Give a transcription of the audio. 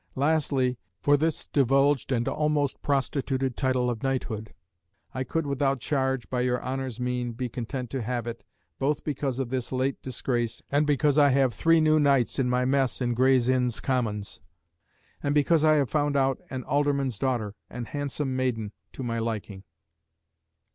"Lastly, for this divulged and almost prostituted title of knighthood, I could without charge, by your Honour's mean, be content to have it, both because of this late disgrace and because I have three new knights in my mess in Gray's Inn's commons; and because I have found out an alderman's daughter, an handsome maiden, to my liking."